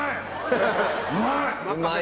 うまい！